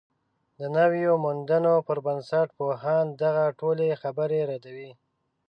د نویو موندنو پر بنسټ، پوهان دغه ټولې خبرې ردوي